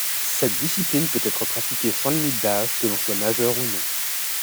Cette discipline peut être pratiquée sans limite d'âge, que l'on soit nageur ou non.